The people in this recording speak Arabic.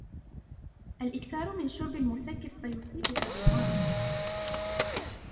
الإكثار من شرب المسكر سيصيبك بالمرض.